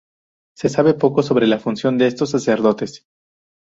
Se sabe poco sobre la función de estos sacerdotes.